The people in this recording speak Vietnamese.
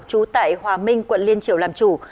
trú tại hòa minh quận liên triều làm chủ